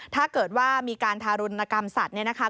ถ้าเกิดว่ามีการทารณกรรมสัตว์เนี่ยนะคะ